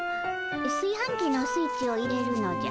すいはんきのスイッチを入れるのじゃ。